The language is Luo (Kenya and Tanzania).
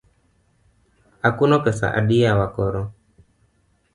Akuno pesa adi yawa koro?